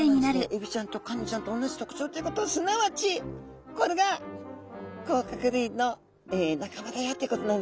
エビちゃんとカニちゃんとおんなじ特徴ということはすなわちこれが甲殻類の仲間だよってことなんですね。